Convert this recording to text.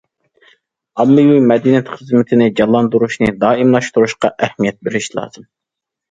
ئاممىۋى مەدەنىيەت خىزمىتىنى جانلاندۇرۇشنى دائىملاشتۇرۇشقا ئەھمىيەت بېرىش لازىم.